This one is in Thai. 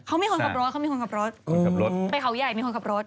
เขามีคนขับรถไปเขาใหญ่มีคนขับรถ